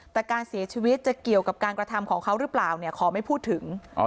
แต่การเสียชีวิตจะเกี่ยวกับการกระทำของเขาหรือเปล่าเนี่ยขอไม่พูดถึง